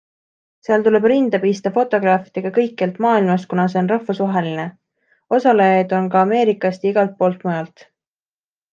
Seal tuleb rinda pista fotograafidega kõikjalt maailmast, kuna see on rahvusvaheline - osalejaid on ka Ameerikast ja igalt poolt mujalt.